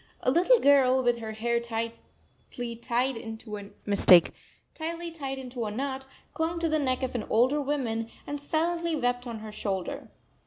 A little girl, with her hair tightly tied into a knot, clung to the neck of an older woman and silently wept on her shoulder.